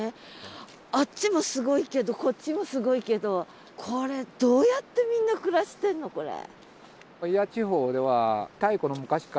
あっちもすごいけどこっちもすごいけどこれどうやってみんな暮らしてんのこれ？